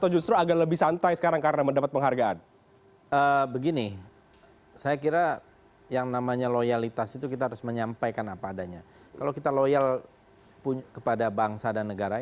jadi awalnya gimana bang